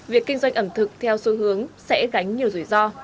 việc kinh doanh ẩm thực theo xu hướng sẽ gánh nhiều rủi ro